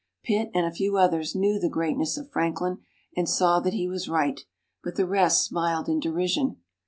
Pitt and a few others knew the greatness of Franklin, and saw that he was right, but the rest smiled in derision.